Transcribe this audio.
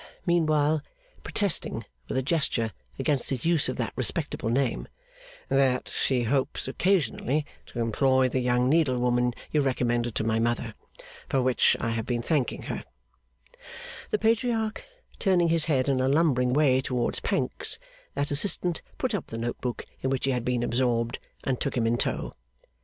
meanwhile protesting, with a gesture, against his use of that respectable name; 'that she hopes occasionally to employ the young needlewoman you recommended to my mother. For which I have been thanking her.' The Patriarch turning his head in a lumbering way towards Pancks, that assistant put up the note book in which he had been absorbed, and took him in tow.